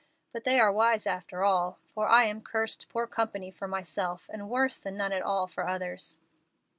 But they are wise after all, for I am cursed poor company for myself and worse than none at all for others."